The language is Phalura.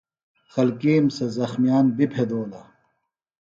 خلکِیم سےۡ زخمِیان بیۡ پھیدولہ